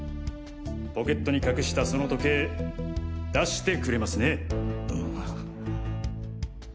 ポケットに隠したその時計出してくれますね？